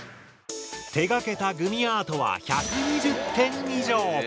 手がけたグミアートは１２０点以上。